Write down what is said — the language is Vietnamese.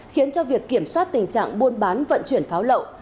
khiến cho việc kiểm soát tình trạng buôn bán vận chuyển pháo lậu